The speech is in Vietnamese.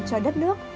cho đất nước